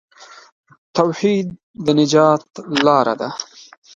توحید د نجات لار ده.